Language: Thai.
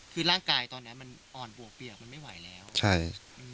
คือร่างกายตอนนั้นอ่อนบวกเปียกมันไม่ไหวแล้ว